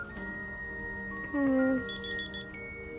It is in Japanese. うん。